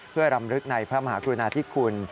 เพื่อรำลึกในพระมหากรุณาธิคุณ